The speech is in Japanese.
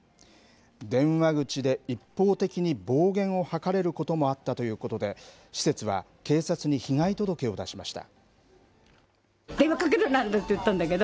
電話口で一方的に暴言を吐かれることもあったということで、施設は警察に被害届を出しました。